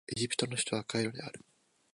エジプトの首都はカイロである